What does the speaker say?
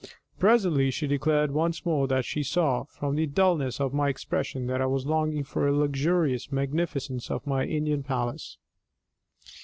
Presently she declared once more that she saw, from the dullness of my expression, that I was longing for the luxurious magnificence of my Indian palace.